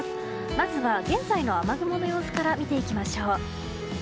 まずは現在の雨雲の様子から見ていきましょう。